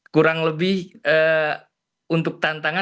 kurang lebih untuk tantangan